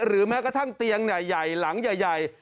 แม้กระทั่งเตียงใหญ่หลังใหญ่